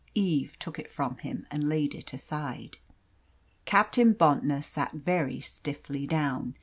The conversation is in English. Eve took it from him and laid it aside. Captain Bontnor sat very stiffly down.